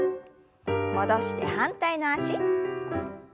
戻して反対の脚。